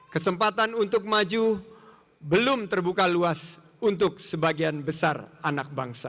kesempatan untuk maju belum terbuka luas untuk sebagian besar anak bangsa